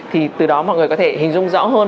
thì từ đó mọi người có thể hình dung rõ hơn